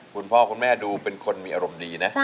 คุณพ่อคุณแม่ดูเป็นคนมีอารมณ์ดีนะ